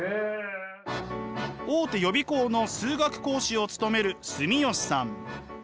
大手予備校の数学講師を務める住吉さん。